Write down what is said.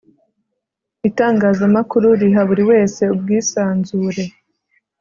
itangazamakuru riha buri wese ubwisanzure